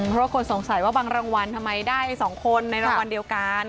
เพราะว่าคนสงสัยว่าบางรางวัลทำไมได้๒คนในรางวัลเดียวกัน